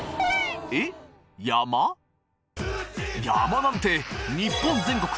山なんて日本全国